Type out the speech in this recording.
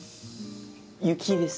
雪井です。